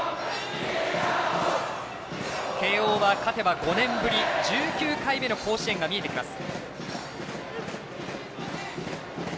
慶応は勝てば５年ぶり１９回目の甲子園が見えてきます。